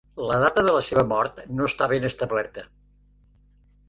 La data de la seva mort no està ben establerta.